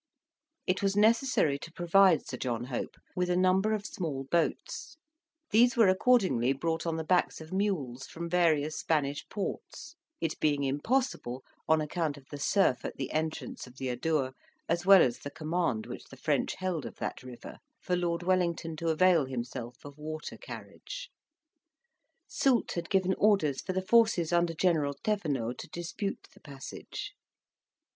It was necessary to provide Sir John Hope with a number of small boats; these were accordingly brought on the backs of mules from various Spanish ports, it being impossible, on account of the surf at the entrance of the Adour, as well as the command which the French held of that river, for Lord Wellington to avail himself of water carriage. Soult had given orders for the forces under General Thevenot to dispute the passage.